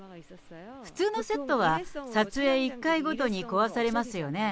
普通のセットは、撮影１回ごとに壊されますよね。